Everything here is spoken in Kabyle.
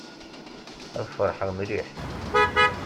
Ad ferḥen mliḥ.